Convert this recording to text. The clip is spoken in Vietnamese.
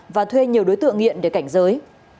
và thuê nhiều đối tượng nghiện để cảnh giới